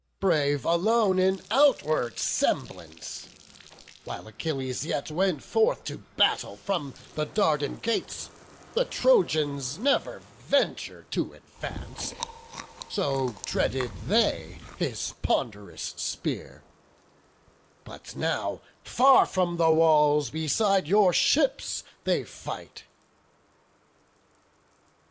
brave alone In outward semblance; while Achilles yet Went forth to battle, from the Dardan gates The Trojans never ventur'd to advance, So dreaded they his pond'rous spear; but now Far from the walls, beside your ships, they fight."